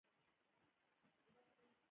د ځمکې پر مخ یوه ثانیه یو دېرش متره فاصله کیږي